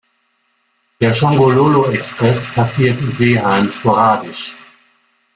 Der Shongololo-Express passiert Seeheim sporadisch.